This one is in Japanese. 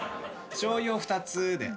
しょうゆを２つで。